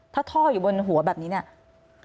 ถ้าท่ออยู่บนหัวแบบนี้เนี่ย